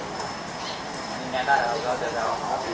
สวัสดีครับ